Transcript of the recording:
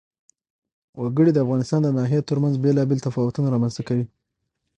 وګړي د افغانستان د ناحیو ترمنځ بېلابېل تفاوتونه رامنځ ته کوي.